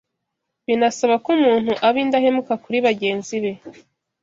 binasaba ko umuntu aba indahemuka kuri bagenzi be